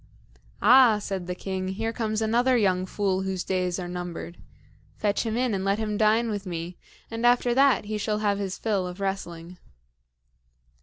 "Ah!" said the king, "here comes another young fool whose days are numbered. Fetch him in and let him dine with me; and after that he shall have his fill of wrestling."